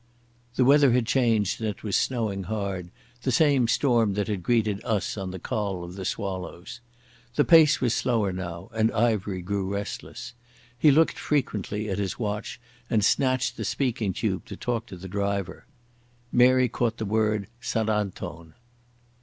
The weather had changed and it was snowing hard, the same storm that had greeted us on the Col of the Swallows. The pace was slower now, and Ivery grew restless. He looked frequently at his watch, and snatched the speaking tube to talk to the driver. Mary caught the word "St Anton".